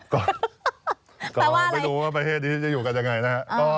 แต่ว่าอะไรก็ไม่รู้ว่าประเทศนี้จะอยู่กันยังไงนะ